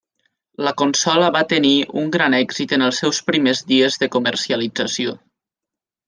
La consola va tenir un gran èxit en els seus primers dies de comercialització.